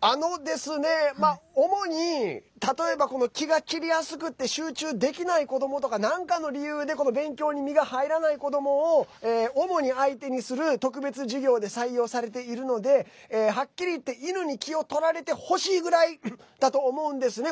あのですね、主に例えば気が散りやすくて集中できない子どもとかなんかの理由で勉強に身が入らない子どもを主に相手にする特別授業で採用されているのではっきり言って犬に気を取られてほしいぐらいだと思うんですね。